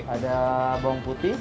ada bawang putih